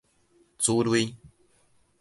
珠淚